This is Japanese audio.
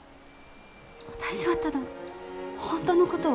私はただ本当のことを。